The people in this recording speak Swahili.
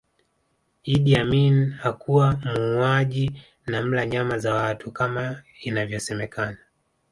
Idi Amin hakuwa muuaji na mla nyama za watu kama inavyosemekana